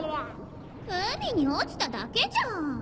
海に落ちただけじゃーん。